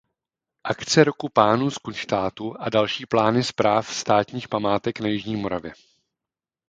Akce Roku pánů z Kunštátu a další plány správ státních památek na jižní Moravě.